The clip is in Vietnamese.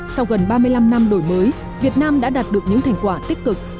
sau gần ba mươi năm năm đổi mới việt nam đã đạt được những thành quả tích cực